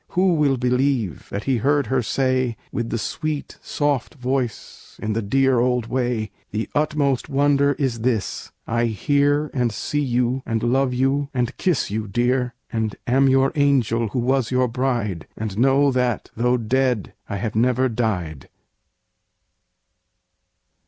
Who will believe that he heard her say, With the sweet, soft voice, in the dear old way, "The utmost wonder is this, I hear And see you, and love you, and kiss you, dear; "And am your angel, who was your bride, And know that though dead, I have never died."